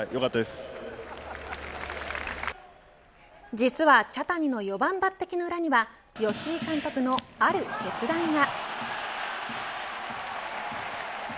実は茶谷の四番抜てきの裏には吉井監督のある決断が。